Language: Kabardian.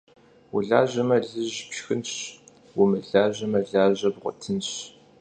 Vulajeme, lıj pşşxınş, vumılajame, laje bğuetınş.